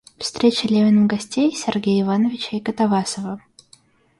Встреча Левиным гостей — Сергея Ивановича и Катавасова.